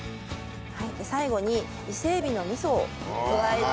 最後に伊勢エビのミソを加えて。